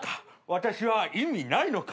私は意味ないのか」